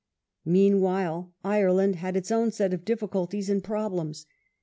Meanwhile Ireland had its own set of difficulties and problems.